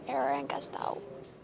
era yang kasih tau